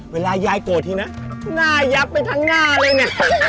เวลายายโกรธทีนะหน้ายับไปทั้งหน้าเลยเนี่ย